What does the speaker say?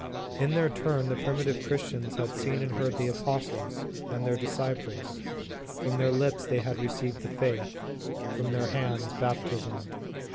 In their turn, the primitive Christians had seen and heard the apostles, and their disciples. From their lips they had received the faith, from their hands, baptism.